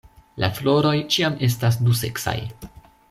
La floroj ĉiam estas duseksaj.